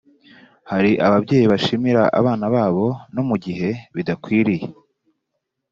hari ababyeyi bashimira abana babo no mu gihe bidakwiriye